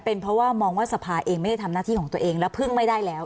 เป็นเพราะว่ามองว่าสภาเองไม่ได้ทำหน้าที่ของตัวเองแล้วพึ่งไม่ได้แล้ว